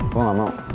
gue gak mau